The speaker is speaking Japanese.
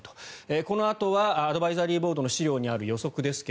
このあとはアドバイザリーボードの資料にある予測ですが